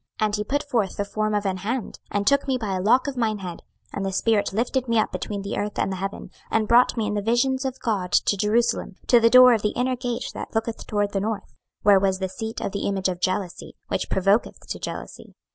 26:008:003 And he put forth the form of an hand, and took me by a lock of mine head; and the spirit lifted me up between the earth and the heaven, and brought me in the visions of God to Jerusalem, to the door of the inner gate that looketh toward the north; where was the seat of the image of jealousy, which provoketh to jealousy.